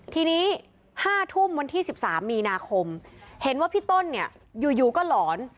ทีนี้๕ทุ่มวันที่๑๓มีนาคมเห็นว่าพี่ต้นเนี่ยอยู่ก็หลอน